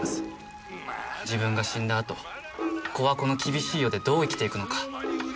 自分が死んだあと子はこの厳しい世でどう生きていくのか。